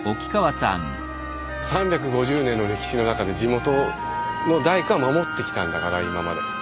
３５０年の歴史の中で地元の大工が守ってきたんだから今まで。